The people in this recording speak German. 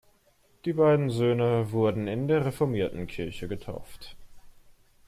Die beiden Söhne wurden in der reformierten Kirche getauft.